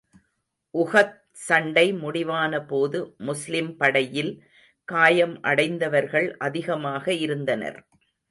உஹத் சண்டை முடிவான போது, முஸ்லிம் படையில் காயம் அடைந்தவர்கள் அதிகமாக இருந்தனர்.